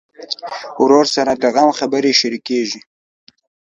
ورور سره د غم خبرې شريکېږي.